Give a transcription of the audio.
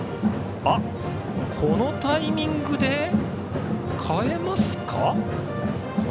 このタイミングで代えますか。